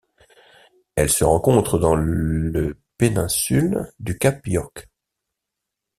Elle se rencontre dans le péninsule du cap York.